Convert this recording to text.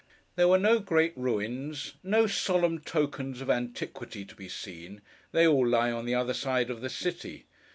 There were no great ruins, no solemn tokens of antiquity, to be seen;—they all lie on the other side of the city.